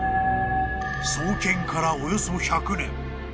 ［創建からおよそ１００年］